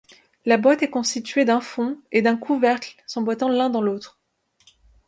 La boîte est constituée d'un fond et d'un couvercle s'emboîtant l'un dans l'autre.